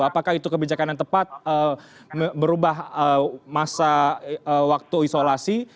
apakah itu kebijakan yang tepat merubah masa waktu isolasi